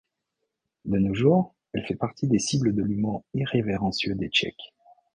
De nos jours, elle fait partie des cibles de l'humour irrévérencieux des Tchèques.